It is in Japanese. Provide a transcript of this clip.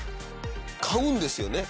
買うんですよね？